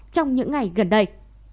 trong những ngày gần đây